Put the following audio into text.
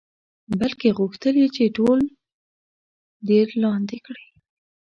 بلکې غوښتل یې چې ټول دیر لاندې کړي.